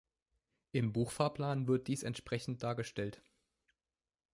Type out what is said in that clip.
Im Buchfahrplan wird dies entsprechend dargestellt.